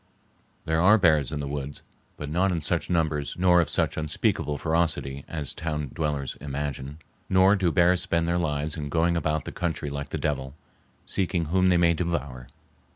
There are bears in the woods, but not in such numbers nor of such unspeakable ferocity as town dwellers imagine, nor do bears spend their lives in going about the country like the devil, seeking whom they may devour.